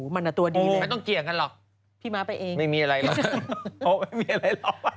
มันตัวดีแหละพี่ม้าไปเองไม่ต้องเกี่ยงกันหรอกไม่มีอะไรหรอก